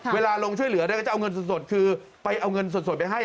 เวลาลงช่วยเหลือได้ก็จะเอาเงินสดคือไปเอาเงินสดไปให้